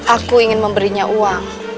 aku ingin memberinya uang